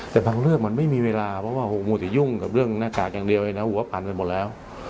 แต่บางเรื่องมันไม่มีเวลาเพราะว่ามัวแต่ยุ่งกับเรื่องหน้ากากอย่างเดียวเลยนะหัวพันไปหมดแล้ว